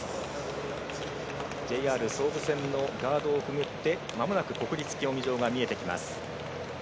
ＪＲ総武線のガードをくぐってまもなく国立競技場が見えてきます。